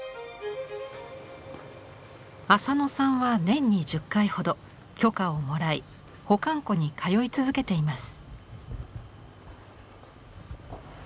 浅野さんは年に１０回ほど許可をもらい保管庫に通い続けています。